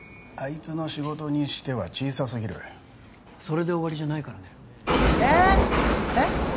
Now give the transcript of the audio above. いつの仕事にしては小さすぎるそれで終わりじゃないからねえーっえっ？